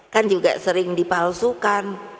kan juga sering dipalsukan